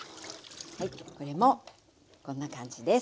これもこんな感じです。